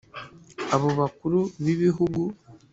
abo bakuru b'ibihugu